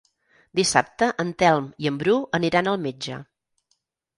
Dissabte en Telm i en Bru aniran al metge.